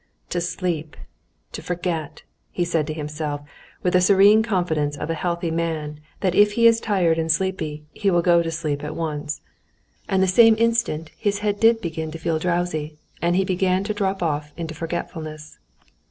"To sleep! To forget!" he said to himself with the serene confidence of a healthy man that if he is tired and sleepy, he will go to sleep at once. And the same instant his head did begin to feel drowsy and he began to drop off into forgetfulness.